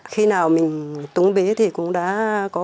khi nào mình túng bế thì cũng đã khổ